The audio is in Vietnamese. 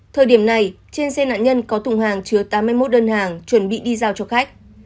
thời điểm này trên xe nạn nhân có thùng hàng chứa tám mươi một đơn hàng chuẩn bị đi giao cho khách